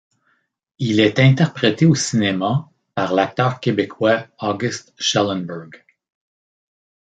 Il est interprété au cinéma par l'acteur québécois August Schellenberg.